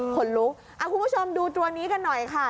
คนลุกคุณผู้ชมดูตัวนี้กันหน่อยค่ะ